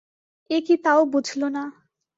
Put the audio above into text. ও কি তাও বুঝল না।